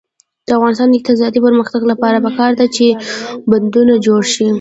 د افغانستان د اقتصادي پرمختګ لپاره پکار ده چې بندونه جوړ شي.